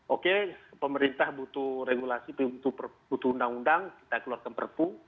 oke pemerintah butuh regulasi butuh undang undang kita keluarkan perpu